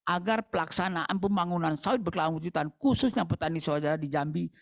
agar pelaksanaan pembangunan sawit berkelanjutan khususnya petani saudara di jambi